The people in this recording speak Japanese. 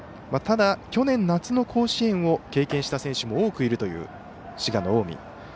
ただ去年夏の甲子園を経験した選手も多くいるという滋賀の近江。